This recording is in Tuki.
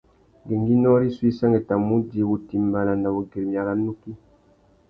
Ngüéngüinô rissú i sangüettamú udjï wutimbāna na wugüirimiya râ nukí.